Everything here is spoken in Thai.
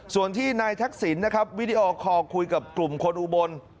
ส่วนที่นายทักษิณนะครับวิดีโอคอลคุยกับกลุ่มคนอุบล